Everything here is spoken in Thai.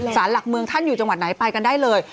สารหลักเมืองท่านอยู่จังหวัดไหนไปกันได้เลย